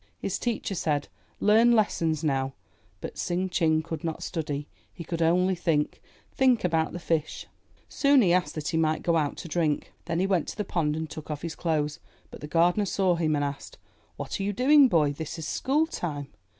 His teacher said, ''Learn lessons now." But Tsing Ching could not study; he could only think, think about the fish. Soon he asked that he might go out to drink. Then 390 IN THE NURSERY he went to the pond and took off l}. his clothes, but the gardener saw him and asked, *'What are you doing, boy? This is school time."